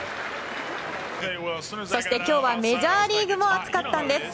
そして、今日はメジャーリーグも熱かったんです。